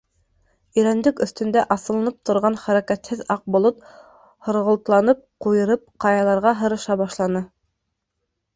Ирәндек өҫтөндә аҫылынып торған хәрәкәтһеҙ аҡ болот һорғолтланып, ҡуйырып, ҡаяларға һырыша башланы.